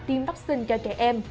tiêm vắc xin cho trẻ em